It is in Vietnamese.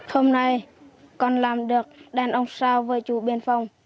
hôm nay con làm được đàn ông sao với chủ biên phòng